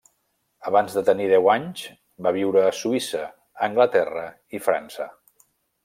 Abans de tenir deu anys va viure a Suïssa, Anglaterra i França.